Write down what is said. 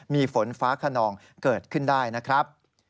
มีฝนฟ้าขนองเกิดขึ้นได้นะครับ